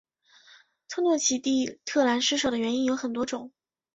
特诺奇蒂特兰失守的原因有多种。